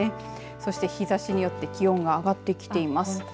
そして日ざしによって気温が上がってきています。